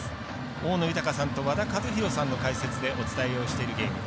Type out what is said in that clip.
大野豊さんと和田一浩さんの解説でお伝えをしているゲーム。